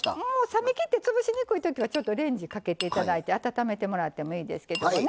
冷め切って潰しにくいときはレンジかけていただいて温めてもらってもいいですけどね。